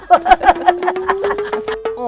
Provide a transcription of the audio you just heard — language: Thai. ป้าเนา